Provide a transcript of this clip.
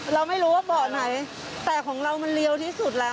เราไม่รู้ว่าเบาะไหนแต่ของเรามันเรียวที่สุดแล้ว